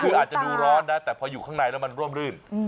คืออาจจะดูร้อนนะแต่พออยู่ข้างในแล้วมันร่มรื่น